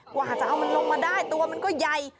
กว่าจะเอามันลงมาได้ตัวมันก็ใหญ่